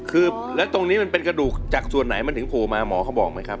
คือแล้วตรงนี้มันเป็นกระดูกจากส่วนไหนมันถึงโผล่มาหมอเขาบอกไหมครับ